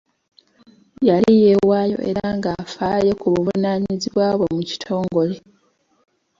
Yali yeewayo era ng'afaayo ku buvunanyizibwa bwe mu kitongole.